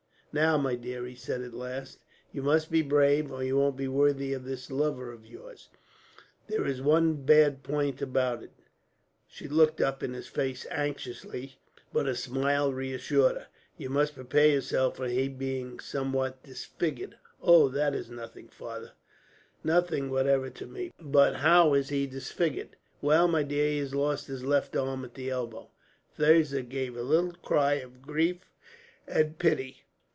"Now, my dear," he said at last, "you must be brave, or you won't be worthy of this lover of yours. There is one bad point about it." She looked up in his face anxiously, but his smile reassured her. "You must prepare yourself for his being somewhat disfigured." "Oh, that is nothing, father; nothing whatever to me! But how is he disfigured?" "Well, my dear, he has lost his left arm, at the elbow." Thirza gave a little cry of grief and pity.